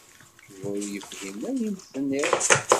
Yuba ur yefhim ayen ay d-tenniḍ.